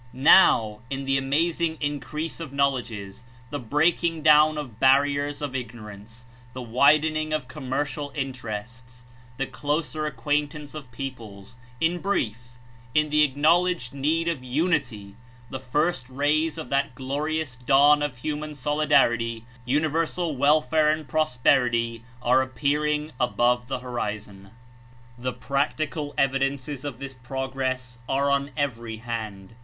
Now, in the amazing increase of knowledges, the breaking down of barriers of ignorance, the widening of commercial interests, the closer acquaintance of peoples, in brief — in the acknowledged need of Unity, the first rays of that glorious dawn of human sol idarity, universal welfare and prosperity are appear ing above the horizon. The practical evidences of this progress are on every hand.